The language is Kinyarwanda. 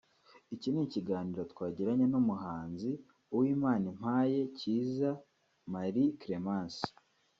Iki ni ikiganiro twagiranye n'umuhanzi Uwimanimpaye Cyiza Marie-Clémence